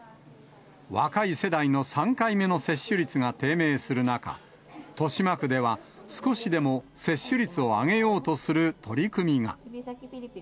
若い世代の３回目の接種率が低迷する中、豊島区では、少しでも、接種率を上げようとする取り組みが。